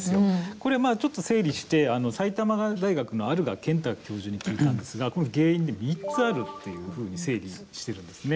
これ、ちょっと整理して埼玉大学の有賀健高教授に聞いたんですが、この原因３つあるっていうふうに整理してるんですね。